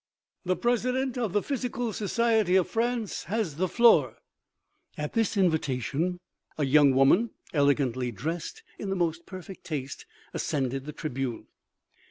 " The president of the physical society of France has the floor." At this invitation, a young woman, elegantly dressed 7 9 8 OMEGA OMEGA. 99 in the most perfect taste, ascended the tribune.